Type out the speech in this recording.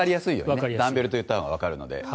ダンベルと言ったほうがわかるので。